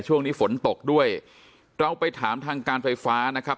ช่วงนี้ฝนตกด้วยเราไปถามทางการไฟฟ้านะครับ